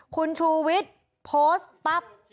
คุณชูวิทย์โพสต์ปั๊บ